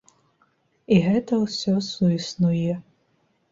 І гэта ўсё суіснуе.